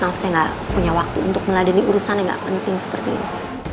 maaf saya gak punya waktu untuk meladeni urusan yang gak penting seperti ini